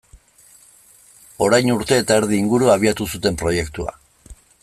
Orain urte eta erdi inguru abiatu zuten proiektua.